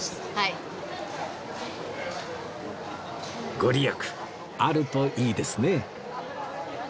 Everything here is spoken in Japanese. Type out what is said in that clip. ご利益あるといいですね